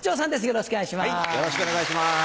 よろしくお願いします。